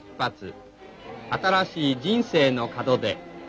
新しい人生の門出」。